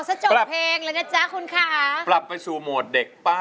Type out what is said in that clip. สิทธิ์สบายบอด